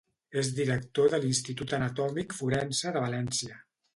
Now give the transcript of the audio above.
És director de l'Institut Anatòmic Forense de València.